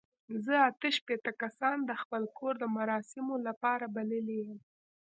زه اته شپېته کسان د خپل کور د مراسمو لپاره بللي یم.